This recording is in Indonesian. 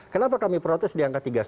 kenapa kami protes di angka tiga lima